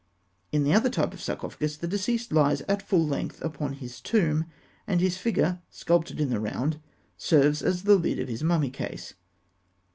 In the other type of sarcophagus, the deceased lies at full length upon his tomb, and his figure, sculptured in the round, serves as the lid of his mummy case.